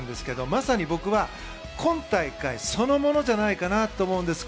まさに僕は、今大会そのものじゃないかと思うんです。